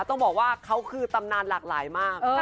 ต้องบอกว่าเขาคือตำนานหลากหลายมาก